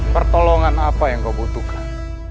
pertolongan apa yang kau butuhkan